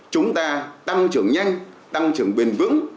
chúng ta tăng trưởng nhanh tăng trưởng bền vững